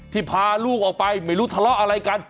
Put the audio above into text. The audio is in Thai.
พาลูกออกไปไม่รู้ทะเลาะอะไรกัน